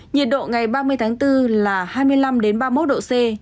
nhiệt độ ngày ba mươi tháng bốn là hai mươi năm ba mươi một độ c